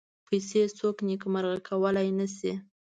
پیسې څوک نېکمرغه کولای نه شي.